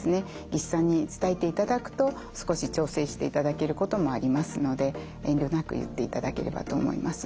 技師さんに伝えていただくと少し調整していただけることもありますので遠慮なく言っていただければと思います。